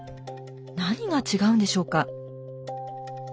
何が違うんでしょうか。